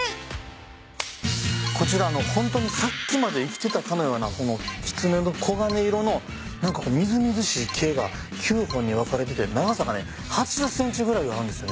こちらホントにさっきまで生きてたかのような狐の黄金色のみずみずしい毛が９本に分かれてて長さがね８０ｃｍぐらいあるんですよね。